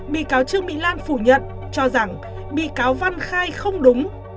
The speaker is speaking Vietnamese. bị cáo trương mỹ lan phủ nhận cho rằng bị cáo văn khai không đúng